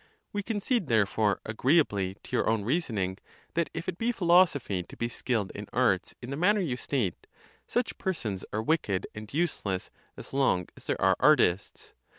—We concede, therefore, agreeably to your own reasoning, that if it be philosophy to be skilled in arts in the manner you state, such* persons are wicked and useless as long as there are artists.